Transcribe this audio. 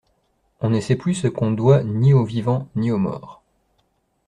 On ne sait plus ce qu'on doit, ni aux vivants, ni aux morts.